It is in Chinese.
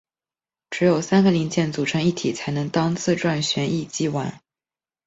只有三个零件组成一体才能当自转旋翼机玩。